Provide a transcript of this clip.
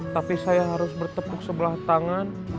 tapi saya harus bertepuk sebelah tangan